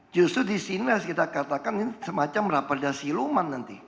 justru di sini harus kita katakan ini semacam raperda siluman nanti